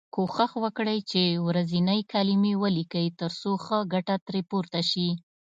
کوښښ وکړی چې ورځنۍ کلمې ولیکی تر څو ښه ګټه ترې پورته شی.